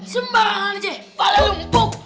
sembarang aja bala mumpung